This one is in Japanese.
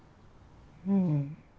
うん。